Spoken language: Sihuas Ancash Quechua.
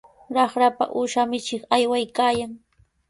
Raqrapa uusha michiq aywaykaayan.